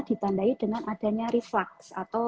ditandai dengan adanya reflux atau